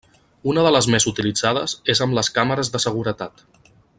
Una de les més utilitzades és amb les càmeres de seguretat.